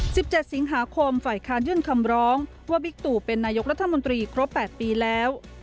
สิบเจ็ดสิงหาคมฝ่ายค้านยื่นคำร้องว่าบิ๊กตู่เป็นนายกรัฐมนตรีครบแปดปีแล้ว